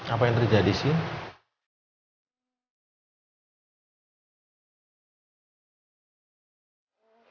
apa yang terjadi sih